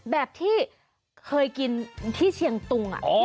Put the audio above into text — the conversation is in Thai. แบบที่เคยกินที่เชียงตุง